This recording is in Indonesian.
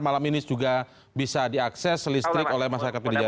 malam ini juga bisa diakses listrik oleh masyarakat pd jaya